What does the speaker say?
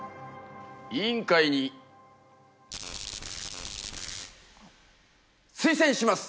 委員会に推薦します。